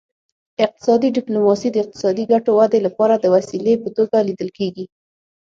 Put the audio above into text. اقتصادي ډیپلوماسي د اقتصادي ګټو ودې لپاره د وسیلې په توګه لیدل کیږي